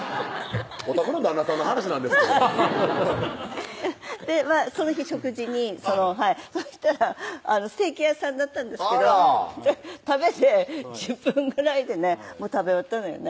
おたくの旦那さんの話なんですけどその日食事にそしたらステーキ屋さんだったんですけど食べて１０分ぐらいでね食べ終わったのよね